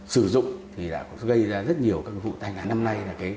sử dụng thì đã gây ra rất nhiều các vụ thanh hóa năm nay